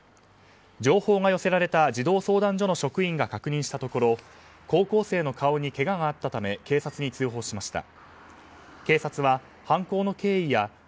情報が寄せられた児童相談所の職員が確認したところ高校生の顔にけががあったため警察に通報しました。